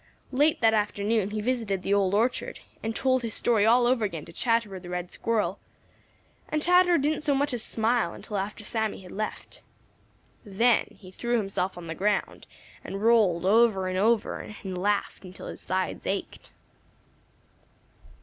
Late that afternoon he visited the Old Orchard and told his story all over again to Chatterer the Red Squirrel, and Chatterer didn't so much as smile until after Sammy had left. Then he threw himself on the ground and rolled over and over and laughed until his sides ached.